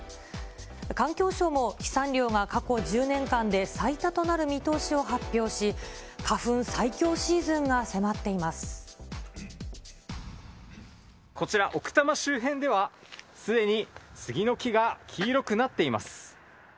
環境省も飛散量が過去１０年間で最多となる見通しを発表し、こちら、奥多摩周辺では、すでにスギの木が黄色くなっています。